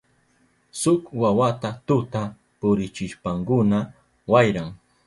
Shuk wawata tuta purichishpankuna wayran.